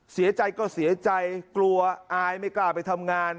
เสียใจก็เสียใจกลัวอายไม่กล้าไปทำงาน